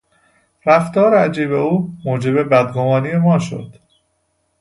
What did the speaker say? رفتار عجیب او موجب بدگمانی ما شد.